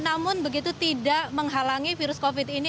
namun begitu tidak menghalangi virus covid sembilan belas ini